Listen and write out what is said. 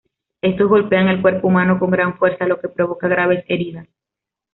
Estos golpean el cuerpo humano con gran fuerza lo que provoca graves heridas.